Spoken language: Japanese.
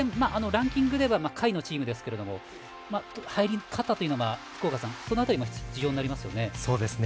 ランキングでは下位のチームですが入り方は、福岡さんその辺りも必要になりますよね。